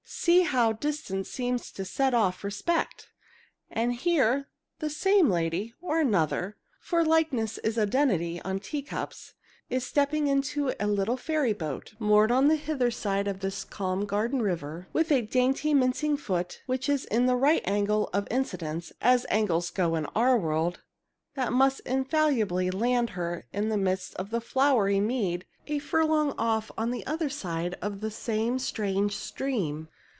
See how distance seems to set off respect! And here the same lady, or another for likeness is identity on tea cups is stepping into a little fairy boat, moored on the hither side of this calm garden river, with a dainty, mincing foot, which is in a right angle of incidence (as angles go in our world) that must infallibly land her in the midst of a flowery mead a furlong off on the other side of the same strange stream!"